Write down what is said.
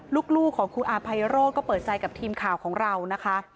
ลูกของครูอาภัยโรธก็เปิดใจกับทีมข่าวของเรานะคะ